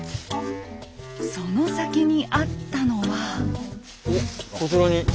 その先にあったのは。